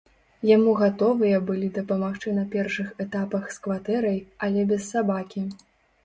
Яму гатовыя былі дапамагчы на першых этапах з кватэрай, але без сабакі.